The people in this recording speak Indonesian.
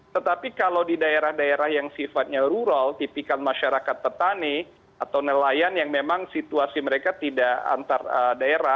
tetapi kalau di daerah daerah yang sifatnya rural tipikal masyarakat petani atau nelayan yang memang situasi mereka tidak antar daerah